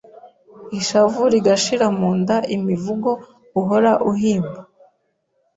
Ishavu rigashira mu nda Imivugo uhora uhimba